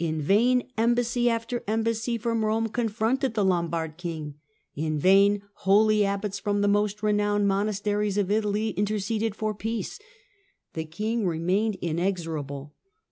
In vain embassy after embassy from Rome confronted the Lombard king; in vain holy abbots from the most renowned monasteries of Italy interceded for peace. The king remained inexorable.